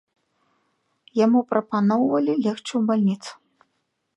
Яму прапаноўвалі легчы ў бальніцу.